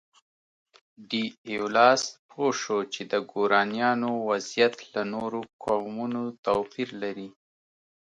ډي ایولاس پوه شو چې د ګورانیانو وضعیت له نورو قومونو توپیر لري.